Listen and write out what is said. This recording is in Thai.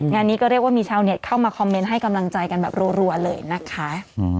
งานนี้ก็เรียกว่ามีชาวเน็ตเข้ามาคอมเมนต์ให้กำลังใจกันแบบรัวเลยนะคะ